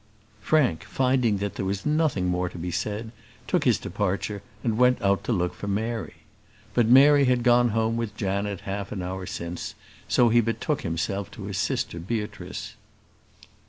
Frank, finding that there was nothing more to be said, took his departure, and went out to look for Mary. But Mary had gone home with Janet half an hour since, so he betook himself to his sister Beatrice.